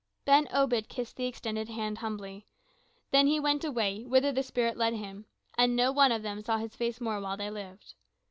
Ben Obed kissed the extended hand humbly, then he went away whither the Spirit led him, and no one of them saw his face more while they lived.